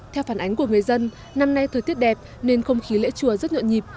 theo phản ánh của người dân năm nay thời tiết đẹp nên không khí lễ chùa rất nhộn nhịp